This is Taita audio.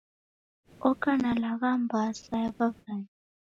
Oka na lagha mbaa sa ya w'aw'ae.